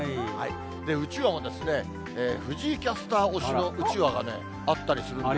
うちわも、藤井キャスター推しのうちわがね、あったりするんです。